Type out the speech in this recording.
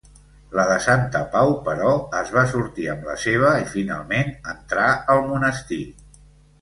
La de Santapau, però, es va sortir amb la seva i finalment entrà al monestir.